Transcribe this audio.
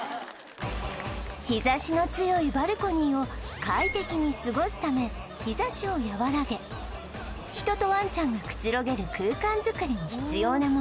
日差しの強いバルコニーを快適に過ごすため日差しを和らげ人とワンちゃんがくつろげる空間作りに必要なもの